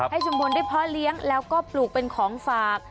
ชุมพลได้เพาะเลี้ยงแล้วก็ปลูกเป็นของฝาก